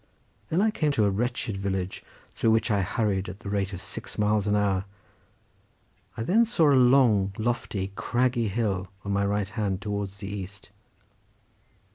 Then I came to a wretched village through which I hurried at the rate of six miles an hour. I then saw a long lofty craggy hill on my right hand towards the east.